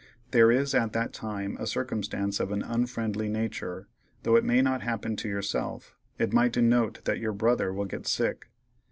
There is at that time a circumstance of an unfriendly natur', though it may not happen to yourself; it might denote that your brother will get sick.